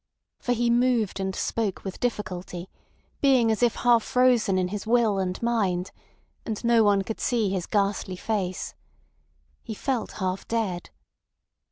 For he moved and spoke with difficulty, being as if half frozen in his will and mind—and no one could see his ghastly face. He felt half dead.